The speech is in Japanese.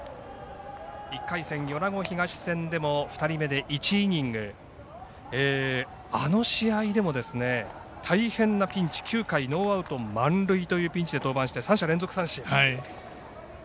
１回戦、米子東戦でも２人目で１イニングあの試合でも大変なピンチ９回ノーアウト満塁というピンチで登板して３者連続三振。